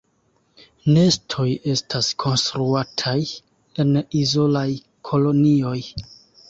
Nestoj estas konstruataj en izolaj kolonioj.